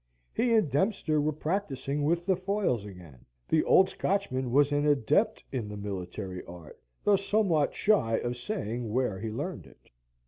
He and Dempster were practising with the foils again. The old Scotchman was an adept in the military art, though somewhat shy of saying where he learned it.